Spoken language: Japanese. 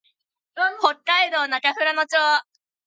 北海道中富良野町